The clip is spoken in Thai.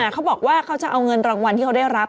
เขาบอกว่าเขาจะเอาเงินรางวัลที่เขาได้รับ